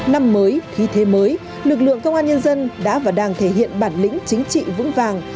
năm mới khí thế mới lực lượng công an nhân dân đã và đang thể hiện bản lĩnh chính trị vững vàng